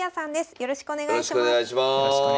よろしくお願いします。